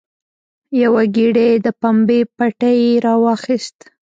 یوه ګېډۍ د پمبې پټی یې راواخیست.